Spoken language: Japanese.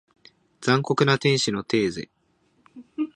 残酷な天使のテーゼ